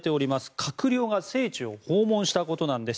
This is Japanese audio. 閣僚が聖地を訪問したことなんです。